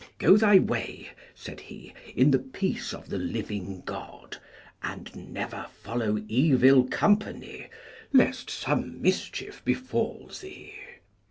Go thy way, said he, in the peace of the living God, and never follow evil company, lest some mischief befall thee.